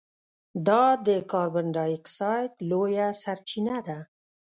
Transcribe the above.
دا د کاربن ډای اکسایډ لویه سرچینه ده.